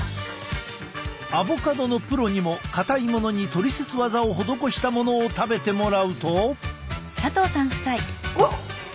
アボカドのプロにも硬いものにトリセツワザを施したものを食べてもらうと。